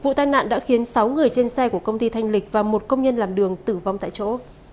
vụ tai nạn đã khiến sáu người trên xe của công ty thanh lịch và một công nhân làm đường tử vong tại chỗ